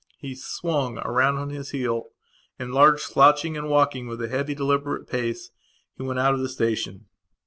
He swung round on his heel and, large, slouching, and walking with a heavy deliberate pace, he went out of the station.